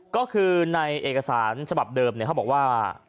ก็คือในเอกสารฉบับเดิมเขาบอกว่า